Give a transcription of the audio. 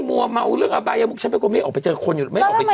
มัวเมาเรื่องอบายมุกฉันไม่กว่าไม่ออกไปเจอกับคนอยู่ไม่ออกไปเจอกับคนอื่นแล้ว